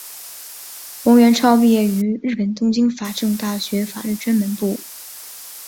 王元超毕业于日本东京法政大学法律专门部。